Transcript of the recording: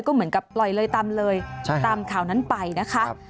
ก็เหมือนกับปล่อยเลยตามเลยตามข่าวนั้นไปนะคะ